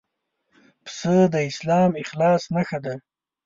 پسه د اسلامي اخلاص نښه ده.